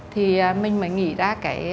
thì mình mới nghĩ ra cái